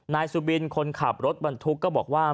นายสุบินคนขับรถบรรทุกก็บอกว่า